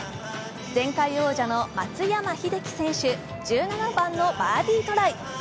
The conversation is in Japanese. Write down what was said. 前回王者の松山英樹選手、１７番のバーディートライ。